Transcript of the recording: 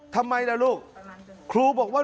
ทำไมล่ะลูกครูบอกว่า